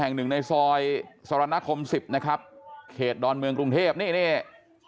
แห่งหนึ่งในซอยสรณคมสิบนะครับเขตดอนเมืองกรุงเทพนี่นี่